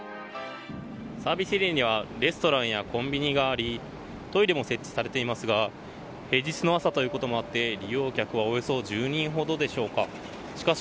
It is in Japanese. サービスエリアにはレストランやコンビニがありトイレも設置されていますが平日の朝ということもあって利用客はおよそ１０人ほどでしょうか。